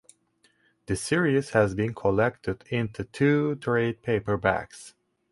The series has been collected into two trade paperbacks.